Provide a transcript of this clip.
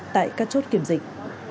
tại các chốt kiểm dịch